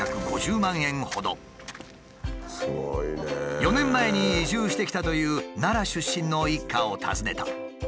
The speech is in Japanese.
４年前に移住してきたという奈良出身の一家を訪ねた。